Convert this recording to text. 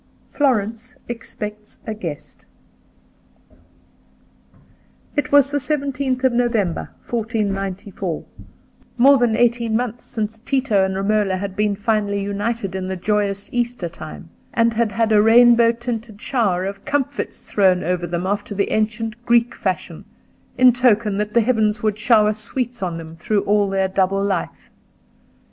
Florence expects a Guest. It was the 17th of November 1494: more than eighteen months since Tito and Romola had been finally united in the joyous Easter time, and had had a rainbow tinted shower of comfits thrown over them, after the ancient Greek fashion, in token that the heavens would shower sweets on them through all their double life.